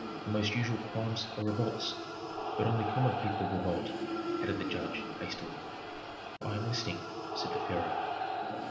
"The most usual crimes are revolts. But only common people revolt," added the judge, hastily. "I am listening," said the pharaoh.